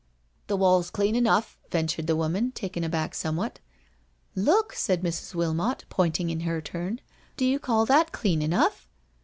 "The wall's clean enough," returned the woman, taken aback somewhat. " Look," said Mrs. Wilmot, pointing in her turn, " do you call that clean enough?"